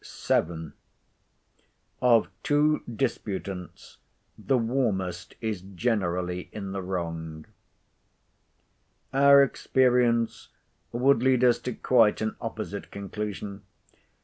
VII.—OF TWO DISPUTANTS, THE WARMEST IS GENERALLY IN THE WRONG Our experience would lead us to quite an opposite conclusion.